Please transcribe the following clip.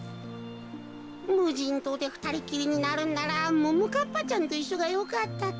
むじんとうでふたりっきりになるんならももかっぱちゃんといっしょがよかったか。